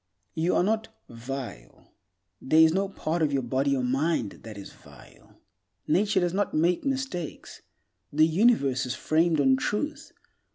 You are not "vile." There is no part of your body or mind that is vile. Nature does not make mistakes. The Universe is framed on Truth.